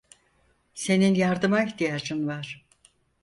Senin yardıma ihtiyacın var.